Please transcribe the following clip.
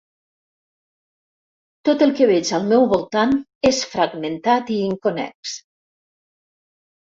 Tot el que veig al meu voltant és fragmentat i inconnex.